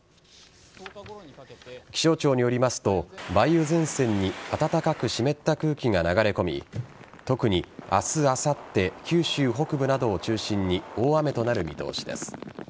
気象庁によりますと、梅雨前線に暖かく湿った空気が流れ込み特に明日、明後日九州北部などを中心に大雨となる見通しです。